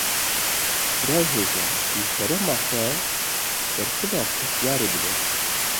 Birayê hêja, ji kerema xwe bersiva pirsyarê bide